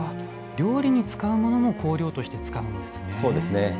料理に使うものも香料として使うんですね。